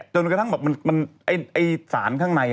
จนกระทั่งสารข้างใน